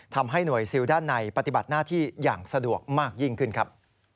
ทำให้หน่วยซิลด้านในปฏิบัติหน้าที่อย่างสะดวกมากยิ่งขึ้นครับ